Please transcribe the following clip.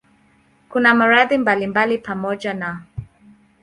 Kuna maradhi mbalimbali pamoja na